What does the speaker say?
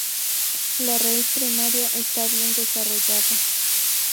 La raíz primaria está bien desarrollada.